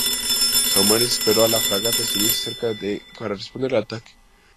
Saumarez esperó a que la fragata estuviese cerca para responder al ataque.